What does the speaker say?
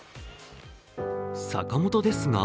「坂本ですが？」